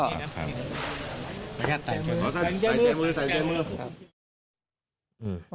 สายแจ้มือสายแจ้มือ